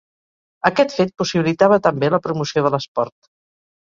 Aquest fet possibilitava també la promoció de l’esport.